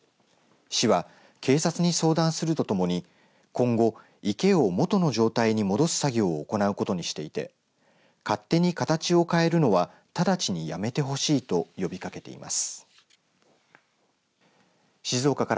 市は警察に相談するとともに今後、池を元の状態に戻す作業を行うことにしていて勝手に形を変えるのは直ちにやめてほしいと呼びかけています。